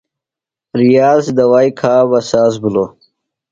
ریاض دوائی کھا بہ ساز بِھلوۡ۔